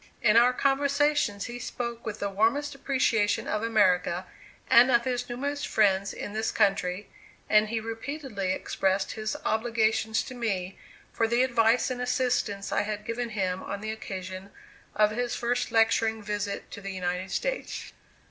In our conversations he spoke with the warmest appreciation of America, and of his numerous friends in this country, and he repeatedly expressed his obligations to me for the advice and assistance I had given him on the occasion of his first lecturing visit to the United States.